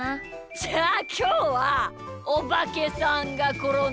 じゃあきょうは「おばけさんがころんだ」